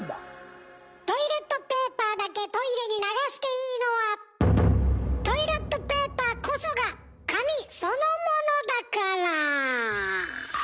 トイレットペーパーだけトイレに流していいのはトイレットペーパーこそが紙そのものだから。